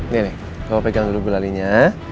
nih nih kau pegang dulu gulalinya